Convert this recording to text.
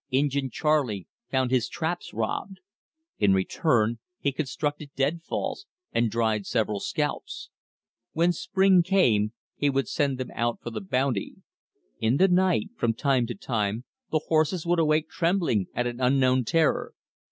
Injin Charley found his traps robbed. In return he constructed deadfalls, and dried several scalps. When spring came, he would send them out for the bounty In the night, from time to time, the horses would awake trembling at an unknown terror.